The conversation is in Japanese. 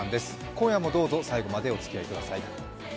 今夜もどうぞ最後までおつきあいください。